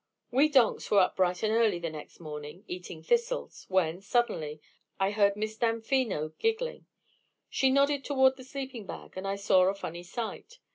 We donks were up bright and early the next morning eating thistles, when, suddenly, I heard Miss Damfino giggling. She nodded toward the sleeping bag, and I saw a funny sight.